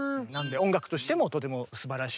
音楽としてもとてもすばらしい。